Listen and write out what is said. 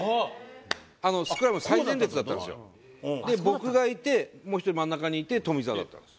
僕がいてもう１人真ん中にいて富澤だったんです。